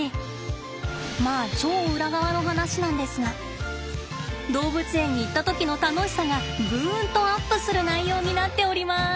まあ超裏側の話なんですが動物園に行った時の楽しさがぐんとアップする内容になっております。